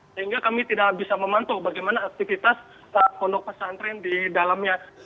sehingga kami tidak bisa memantau bagaimana aktivitas pondok pesantren di dalamnya